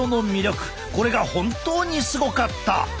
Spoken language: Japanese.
これが本当にすごかった！